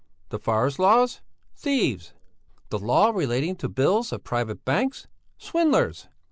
The forest laws? Thieves! The law relating to bills of private banks? Swindlers!